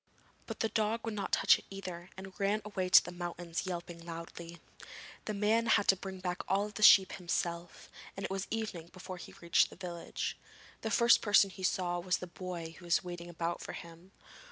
But the dog would not touch it either, and ran away to the mountains, yelping loudly. The man had to bring back all the sheep himself, and it was evening before he reached the village. The first person he saw was the boy who was waiting about for him.